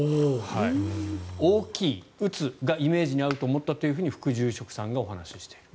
大きい、打つがイメージに合うと思ったと副住職さんがおっしゃっている。